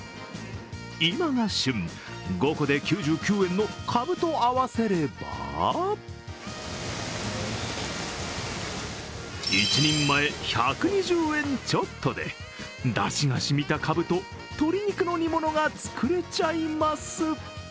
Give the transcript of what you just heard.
今が旬、５個で９９円のかぶと合わせれば１人前１２０円ちょっとでだじが染みたかぶと、鶏肉の煮物が作れちゃいます。